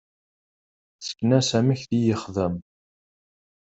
Sken-as amek di ixdem.